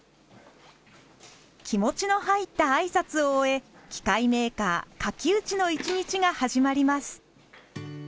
気持ちの入った挨拶を終え機械メーカー垣内の一日が始まります。